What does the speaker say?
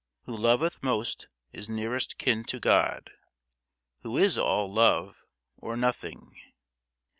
Who loveth most is nearest kin to God, Who is all Love, or Nothing.